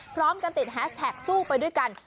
พร้อมกันติดแฮชแท็กสู้ไปด้วยกัน